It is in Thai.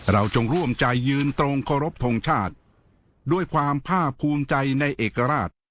เราจงร่วมใจยืนตรงทงชาติด้วยความพร่าพภูมิใจในเอกราช